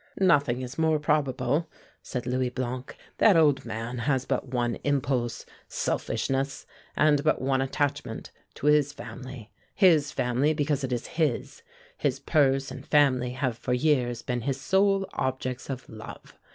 '" "Nothing is more probable," said Louis Blanc. "That old man has but one impulse selfishness, and but one attachment to his family his family, because it is his. His purse and family have for years been his sole objects of love.